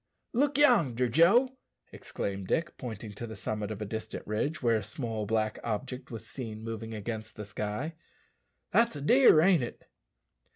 "Look yonder, Joe," exclaimed Dick, pointing to the summit of a distant ridge, where a small black object was seen moving against the sky, "that's a deer, ain't it?"